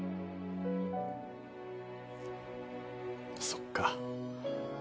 そっか。